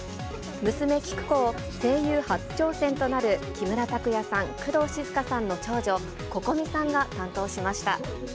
娘、キクコを声優初挑戦となる木村拓哉さん、工藤静香さんの長女、Ｃｏｃｏｍｉさんが担当しました。